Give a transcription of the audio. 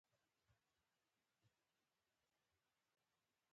موږ په دښته کې بېرته پر شاتګ ته مجبور شوو.